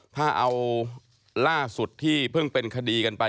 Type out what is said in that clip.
ถ้าเอาล่าสุดที่เพิ่งเป็นคดีกันไป